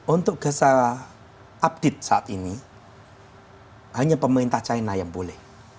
untuk gaza update saat ini hanya pemerintah china yang boleh